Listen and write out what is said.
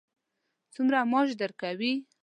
څومره معاش درکوي.